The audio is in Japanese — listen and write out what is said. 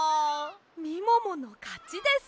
みもものかちです。